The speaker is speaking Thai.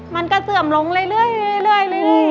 มันก็เสื่อมลงเรื่อย